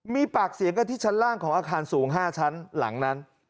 มีปากเสียงกันที่ชั้นล่างของอาคารสูง๕ชั้นหลังนั้น